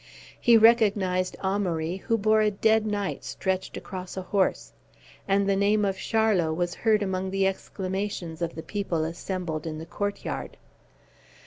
He recognized Amaury, who bore a dead knight stretched across a horse; and the name of Charlot was heard among the exclamations of the people assembled in the court yard.